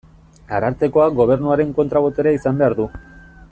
Arartekoak Gobernuaren kontra-boterea izan behar du.